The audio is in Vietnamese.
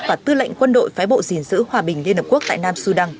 và tư lệnh quân đội phái bộ dình giữ hòa bình liên hợp quốc tại nam sudan